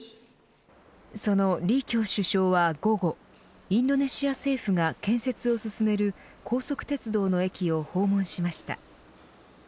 その李強首相は午後インドネシア政府が建設を進める高速鉄道の駅を訪問しました。